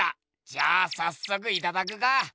じゃあさっそくいただくか！